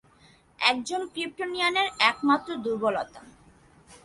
একজন ক্রিপ্টোনিয়ানের একমাত্র দুর্বলতা।